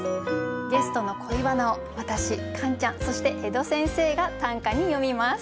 ゲストの恋バナを私カンちゃんそして江戸先生が短歌に詠みます。